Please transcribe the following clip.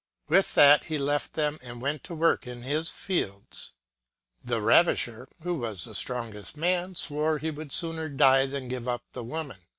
With that he left them, and went to work in his fields. The ravisher, who was the stronger man, swore he would sooner die than PERSIAN LETTERS 47 give up the woman.